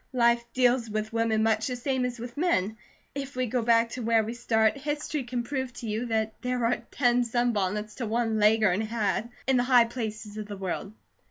"Life deals with women much the same as with men. If we go back to where we start, history can prove to you that there are ten sunbonnets to one Leghorn hat, in the high places of the world."